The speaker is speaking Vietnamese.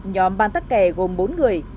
nhóm bán tắc kè gồm bốn người